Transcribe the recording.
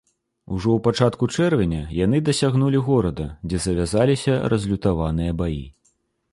Ужо ў пачатку чэрвеня яны дасягнулі горада, дзе завязаліся разлютаваныя баі.